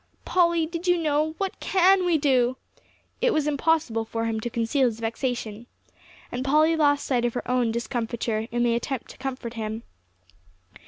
"Polly, did you know? What can we do?" It was impossible for him to conceal his vexation. And Polly lost sight of her own discomfiture, in the attempt to comfort him.